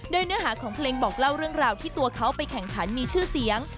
โดยเนื้อหาของเพลงบอกเล่าเรื่องราวที่ตัวเขาไปแข่งขันมีชื่อเสียง